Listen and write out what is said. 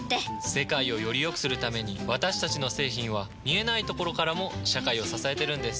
世界をよりよくするために私たちの製品は見えないところからも社会を支えてるんです。